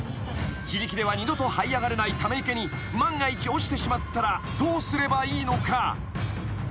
［自力では二度とはい上がれないため池に万が一落ちてしまったらどうすればいいのか？］